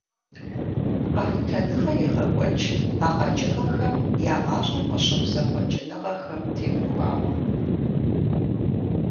Къэхутэныгъэ егъэкӀуэкӀ а къэкӀыгъэхэм я гъащӀэм къыщыхъу зэхъуэкӀыныгъэхэм теухуауэ.